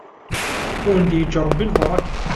Ad awen-d-yeǧǧ ṛebbi lbaṛaka.